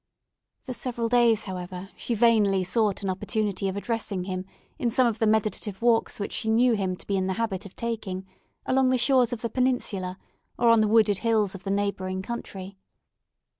For several days, however, she vainly sought an opportunity of addressing him in some of the meditative walks which she knew him to be in the habit of taking along the shores of the Peninsula, or on the wooded hills of the neighbouring country.